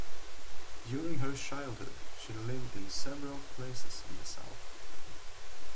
During her childhood, she lived in several places in the South.